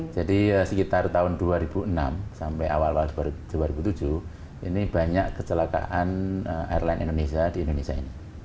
sekitar tahun dua ribu enam sampai awal dua ribu tujuh ini banyak kecelakaan airline indonesia di indonesia ini